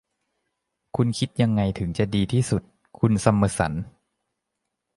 คุณคิดยังไงถึงจะดีที่สุด คุณซัมเมอร์สัน